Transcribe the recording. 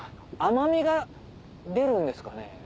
甘みが出るんですかね？